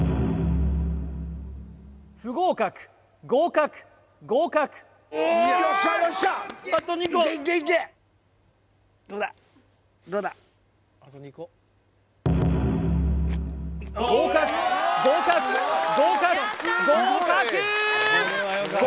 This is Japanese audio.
不合格合格合格よっしゃよっしゃ合格合格合格合格！